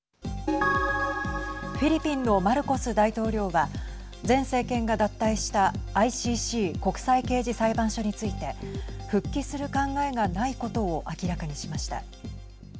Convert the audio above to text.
フィリピンのマルコス大統領は前政権が脱退したＩＣＣ＝国際刑事裁判所について復帰する考えがないことを明らかにしました。